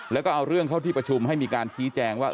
แล้วก็เอาเรื่องเข้าที่ประชุมให้มีการชี้แจงว่า